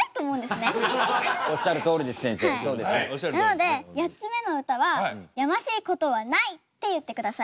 なので８つ目の歌は「やましいことはない」って言ってください。